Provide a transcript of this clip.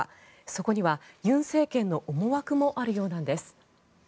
そこには尹政権の思惑もあるようなんです。